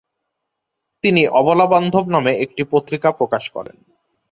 তিনি অবলাবান্ধব নামে একটি পত্রিকা প্রকাশ করেন।